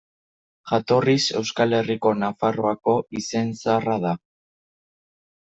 Jatorriz, Euskal Herriko Nafarroako izen zaharra da.